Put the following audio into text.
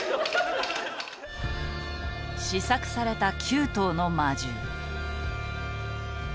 試作された９頭の魔獣。